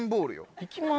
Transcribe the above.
「いきます」